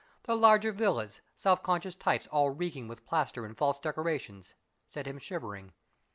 The larger villas self conscious types all reeking with plaster and false decorations set him shivering.